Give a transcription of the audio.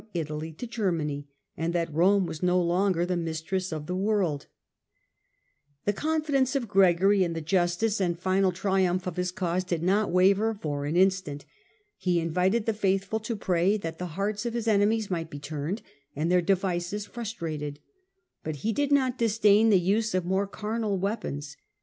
^ Italy to Germany ; and that Rome was no longer th^^ —^ mistress of the world. Digitized by VjOOQIC ~Jit6 HlLDEBRANO The confidence of Gregory in the justice and final triumph of his cause did not waver for an instant. He invited the faithful to pray that the hearts of his enemies might be turned, and their devices frustrated ; but he did not disdain the use of more carnal weapons.